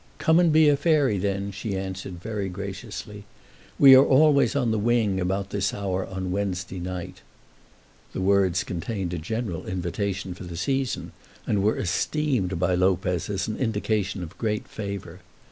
"Come and be a fairy then," she answered, very graciously. "We are always on the wing about this hour on Wednesday night." The words contained a general invitation for the season, and were esteemed by Lopez as an indication of great favour.